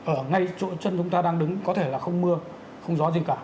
ở ngay chỗ chân chúng ta đang đứng có thể là không mưa không gió gì cả